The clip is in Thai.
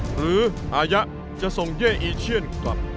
หรืออายะจะส่งเย่อีเชียนกลับ